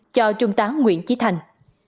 cho trung tá nguyễn chí thành